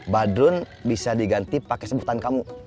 badrun bisa diganti pakai sebutan kamu